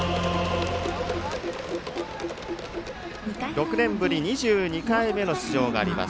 ６年ぶり２２回の出場があります。